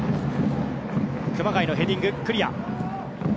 熊谷のヘディング、クリア。